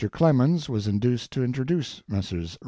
Clemens was induced to introduce Messrs.